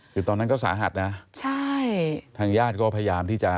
คือตอนนั้นก็สาหัสนะใช่ทางญาติก็พยายามที่จะ